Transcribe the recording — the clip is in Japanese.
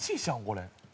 これ。